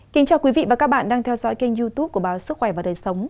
kính chào quý vị và các bạn đang theo dõi kênh youtube của báo sức khỏe và đời sống